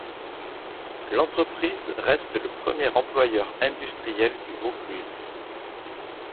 L'entreprise reste le premier employeur 'industriel' du Vaucluse.